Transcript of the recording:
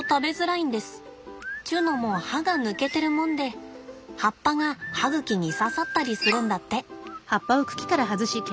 ちゅうのも歯が抜けてるもんで葉っぱが歯茎に刺さったりするんだって。